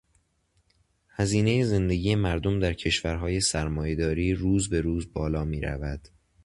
هزینهٔ زندگی مردم در کشورهای سرمایه داری روز بروز بالا میرود.